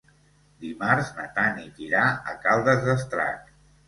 Dimarts na Tanit irà a Caldes d'Estrac.